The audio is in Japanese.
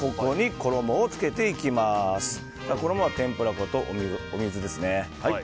衣は天ぷら粉とお水ですね。